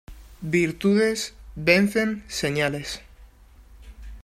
Virtudes vencen señales.